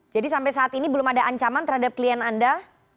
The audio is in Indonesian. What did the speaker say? jadi sampai saat ini belum ada ancaman terhadap klien anda